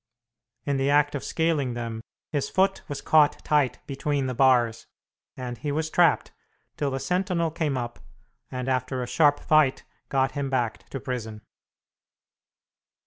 In the act of scaling them, his foot was caught tight between the bars, and he was trapped till the sentinel came up, and after a sharp fight got him back to prison.